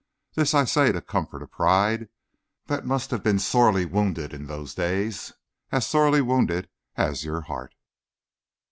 This I say to comfort a pride that must have been sorely wounded in those days, as sorely wounded as your heart.